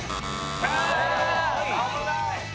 危ない！